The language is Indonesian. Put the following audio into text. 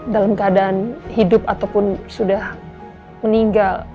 dalam keadaan hidup ataupun sudah meninggal